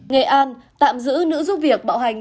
nghệ an tạm giữ nữ giúp việc bạo hành